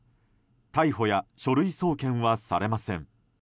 逮捕や書類送検はされません。